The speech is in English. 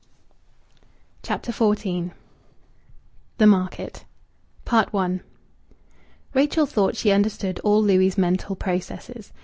CHAPTER XIV THE MARKET I Rachel thought she understood all Louis' mental processes.